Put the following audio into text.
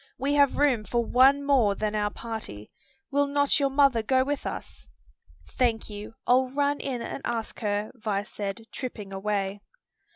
We have room for one more than our party. Will not your mother go with us?" "Thank you; I'll run in and ask her," Vi said, tripping away.